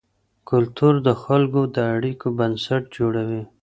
کلتور د خلکو د اړیکو بنسټ جوړوي.